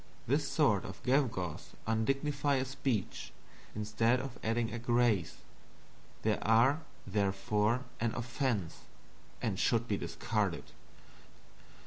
This sort of gewgaws undignify a speech, instead of adding a grace. They are, therefore, an offense, and should be discarded.